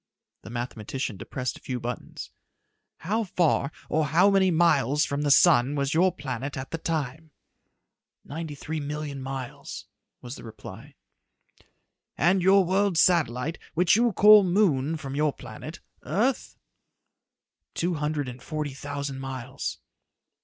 The mathematician depressed a few buttons. "How far, or how many miles from the sun was your planet at that time?" "Ninety three million miles," was the reply. "And your world's satellite which you call moon from your planet earth?" "Two hundred and forty thousand miles."